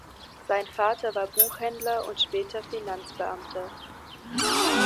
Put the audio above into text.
Sein Vater war Buchhändler und später Finanzbeamter.